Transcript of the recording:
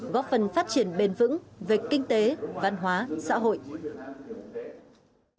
góp phần phát triển bền vững về kinh tế văn hóa xã hội